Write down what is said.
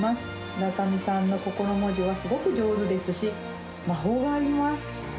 浦上さんのこころ文字はすごく上手ですし、魔法があります。